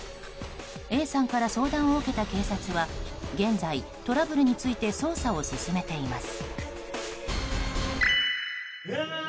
Ａさんから相談を受けた警察は現在、トラブルについて捜査を進めています。